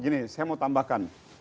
gini saya mau tambahkan